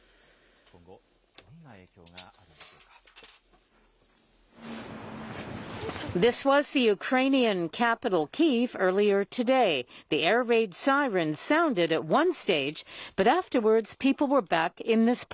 今後、どんな影響があるんでしょうか。